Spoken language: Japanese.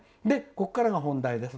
ここからが本題です。